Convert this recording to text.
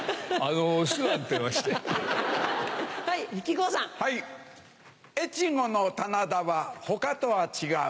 越後の棚田は他とは違う。